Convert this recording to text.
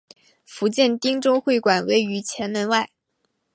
福建汀州会馆位于前门外。